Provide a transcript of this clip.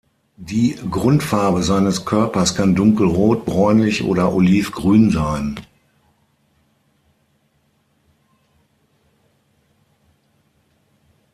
Die Grundfarbe seines Körpers kann dunkelrot, bräunlich oder olivgrün sein.